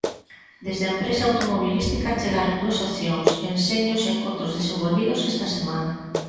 Desde a empresa automobilística achegaron dúas opcións en senllos encontros desenvolvidos esta semana.